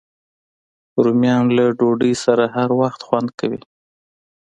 رومیان له ډوډۍ سره هر وخت خوند کوي